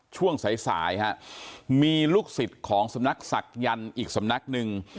ช่วงสายสายฮะมีลูกศิษย์ของสำนักศักยันต์อีกสำนักหนึ่ง